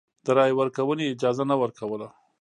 د رایې ورکونې اجازه نه ورکوله.